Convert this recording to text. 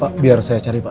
pak biar saya cari pak